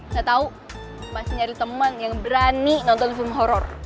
gak tau masih nyari temen yang berani nonton film horor